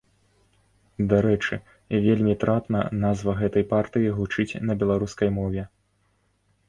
Дарэчы, вельмі трапна назва гэтай партыі гучыць на беларускай мове.